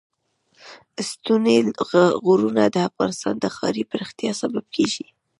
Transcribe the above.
ستوني غرونه د افغانستان د ښاري پراختیا سبب کېږي.